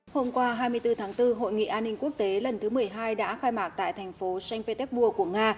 hôm qua hai mươi bốn tháng bốn hội nghị an ninh quốc tế lần thứ một mươi hai đã khai mạc tại thành phố st petersburg của nga